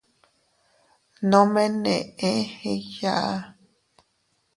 Nome neʼe igyaa.